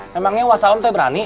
memangnya wasaom teh berani